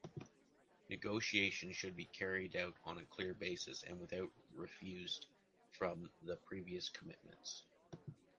Negotiations should be carried out on a clear basis and without refuse from the previous commitments.